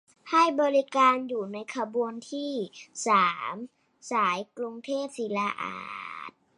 ให้บริการอยู่ในขบวนที่ สาม สายกรุงเทพศิลาอาสน์